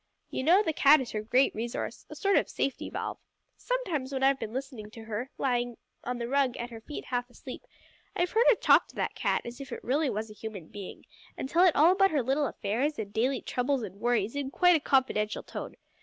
"You know the cat is her great resource a sort of safety valve. Sometimes, when I've been listening to her, lying on the rug at her feet half asleep, I've heard her talk to that cat as if it really was a human being, and tell it all about her little affairs and daily troubles and worries in quite a confidential tone.